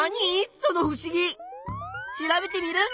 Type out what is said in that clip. そのふしぎ！調べテミルン！